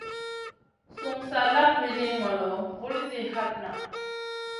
Sumun sa lak wiɗi ŋolo, vulzi hatna.